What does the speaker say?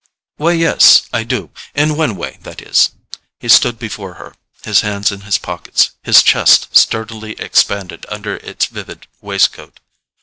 "Why, yes, I do: in one way, that is." He stood before her, his hands in his pockets, his chest sturdily expanded under its vivid waistcoat.